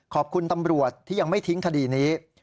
ขอบคุณตำรวจที่ยังไม่ทิ้งคดีนี้